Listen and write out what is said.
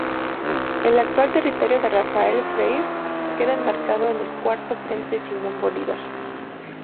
El actual territorio de Rafael Freyre queda enmarcado en el Cuarto Frente Simón Bolívar.